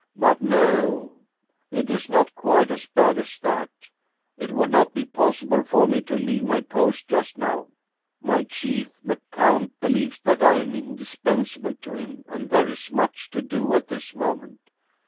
But, no it is not quite as bad as that. It would not be possible for me to leave my post just now. My chief, the count, be lieves that I am indispensable to him, and there is much to do at this moment.